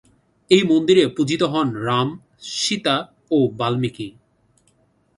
এই মন্দিরে পূজিত হন রাম, সীতা ও বাল্মীকি।